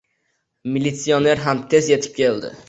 Militsioner ham tez yetib keldi.